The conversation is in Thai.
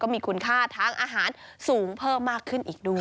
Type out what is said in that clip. มีคุณค่าทางอาหารสูงเพิ่มมากขึ้นอีกด้วย